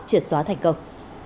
chiệt xóa thành công